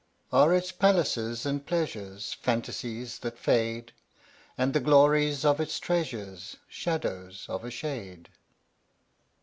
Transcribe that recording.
Are its palaces and pleasures Fantasies that fade? , And the glories of its treasures Shadows of a shade?